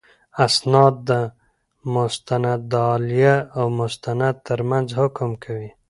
اِسناد د مسندالیه او مسند تر منځ حکم کوي.